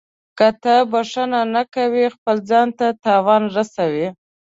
• که ته بښنه نه کوې، خپل ځان ته تاوان رسوې.